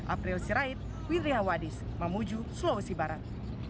april sirait widri hawadis mamuju sulawesi barat